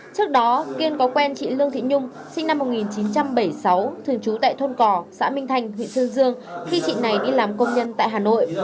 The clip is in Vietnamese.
trước đó kiên có quen chị lương thị nhung sinh năm một nghìn chín trăm bảy mươi sáu thường trú tại thôn cò xã minh thành huyện sơn dương khi chị này đi làm công nhân tại hà nội